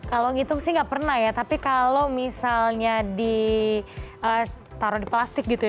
kalau ngitung sih nggak pernah ya tapi kalau misalnya ditaruh di plastik gitu ya